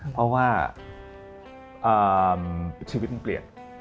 เพราะว่าชีวิตมึงเปรียก